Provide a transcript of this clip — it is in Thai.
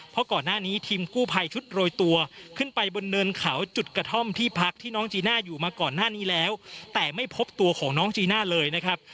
เพราะก่อนหน้านี้ทีมกู้ภัยชุดโรยตัวขึ้นไปบนเนินเขาจุดกระท่อมที่พักที่น้องจีน่าอยู่มาก่อนหน้านี้แล้วแต่ไม่พบตัวของน้องจีน่าเลยนะครับ